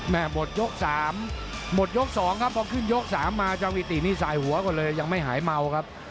หมดยกสามหมดยกสองครับพอขึ้นยกสามมาจอมกิตตินี่สายหัวก็เลยยังไม่หายเมาครับ